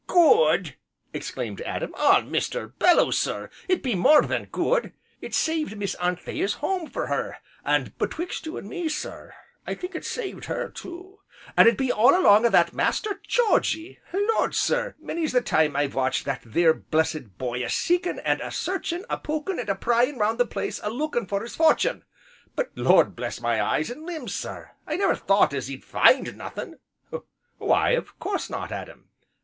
"Good!" exclaimed Adam, "Ah, Mr. Belloo sir! it be more than good, it's saved Miss Anthea's home for her, and betwixt you an' me, sir, I think it's saved her too. An' it be all along o' that Master Georgy! Lord sir! many's the time as I've watched that theer blessed b'y a seekin', an' a searchin', a pokin' an' a pryin' round the place a lookin' for 'is fortun', but, Lord bless my eyes an' limbs, sir! I never thought as he'd find nothin'." "Why, of course not, Adam."